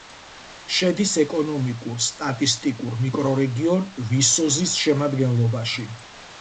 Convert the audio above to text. შედის ეკონომიკურ-სტატისტიკურ მიკრორეგიონ ვისოზის შემადგენლობაში.